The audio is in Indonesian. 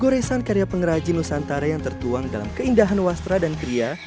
goresan karya pengrajin nusantara yang tertuang dalam keindahan wasra dan kria